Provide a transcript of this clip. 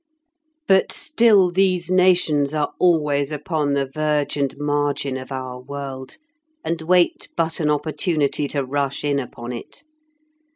But still these nations are always upon the verge and margin of our world, and wait but an opportunity to rush in upon it.